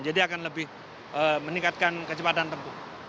jadi akan lebih meningkatkan kecepatan tempuh